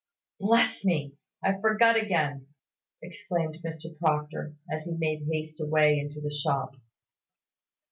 "Bless me! I forgot again," exclaimed Mr Proctor, as he made haste away into the shop.